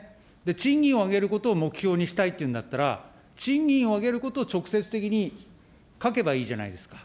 賃金を上げることを目標にしたいっていうんだったら、賃金を上げることを直接的に書けばいいじゃないですか。